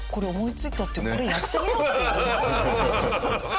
これやってみようって。